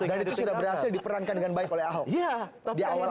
dan itu sudah berhasil diperankan dengan baik oleh ahok